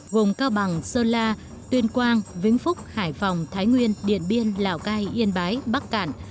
gồm cao bằng sơn la tuyên quang vĩnh phúc hải phòng thái nguyên điện biên lào cai yên bái bắc cạn